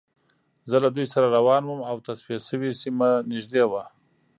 زه له دوی سره روان وم او تصفیه شوې سیمه نږدې وه